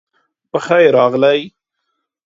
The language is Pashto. پخیر راغلی